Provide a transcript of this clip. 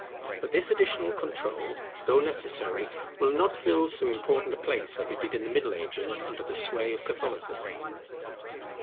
But this additional control, though necessary, will not fill so important a place as it did in the Middle Ages under the sway of Catholicism.